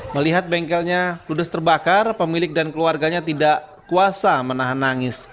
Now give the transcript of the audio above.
melihat bengkelnya ludes terbakar pemilik dan keluarganya tidak kuasa menahan nangis